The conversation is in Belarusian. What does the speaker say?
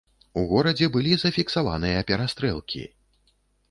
У горадзе былі зафіксаваныя перастрэлкі.